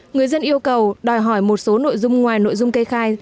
người dân yêu cầu đòi hỏi một số nội dung ngoài nội dung kê khai